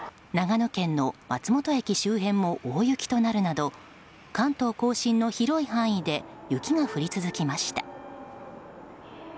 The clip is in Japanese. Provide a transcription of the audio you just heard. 長野県の松本駅周辺も大雪となるなど関東・甲信の広い範囲で雪が降り続きました。